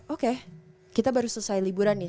oke kita baru selesai liburan nih